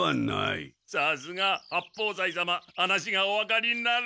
さすが八方斎様話がおわかりになる。